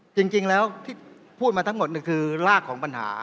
จริงแล้วที่พูดมาทั้งหมดคือรากของปัญหา